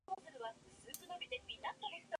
立榮